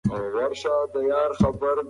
موږ د ټولنیزو ډلو په اړه معلومات ترلاسه کوو.